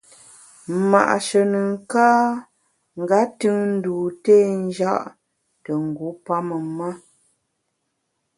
Ma’she nùn ka nga tùn ndû té nja’ te ngu pamem ma.